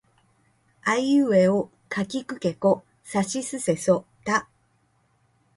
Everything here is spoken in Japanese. あいうえおかきくけこさしすせそた